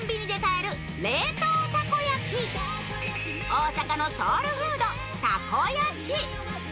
大阪のソウルフードたこ焼き。